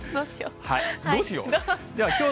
どうしよう。